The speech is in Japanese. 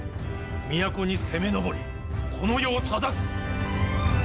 都に攻め上りこの世を正す。